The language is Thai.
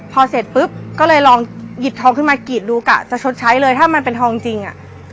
พอเสร็จปุ๊บก็เลยลองหยิบทองขึ้นมากรีดดูกะจะชดใช้เลยถ้ามันเป็นทองจริงอ่ะ